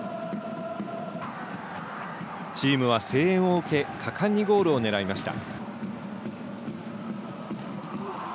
チームは声援を受け、果敢にゴールを狙いました。